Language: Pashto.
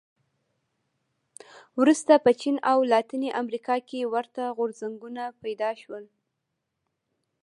وروسته په چین او لاتینې امریکا کې ورته غورځنګونه پیدا شول.